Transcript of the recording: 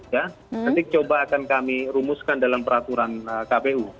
nanti coba akan kami rumuskan dalam peraturan kpu